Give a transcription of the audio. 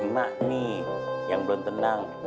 mak nih yang belum tenang